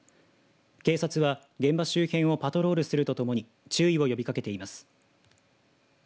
警察は現場周辺をパトロールするとともに注意を呼びかけています。